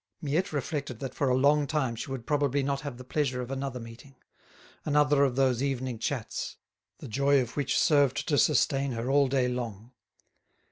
Miette reflected that for a long time she would probably not have the pleasure of another meeting—another of those evening chats, the joy of which served to sustain her all day long.